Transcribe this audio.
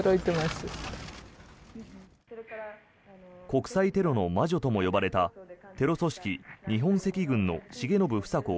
国際テロの魔女とも呼ばれたテロ組織、日本赤軍の重信房子